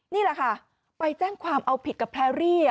นี่แหละค่ะไปแจ้งความเอาผิดกับแพรรี่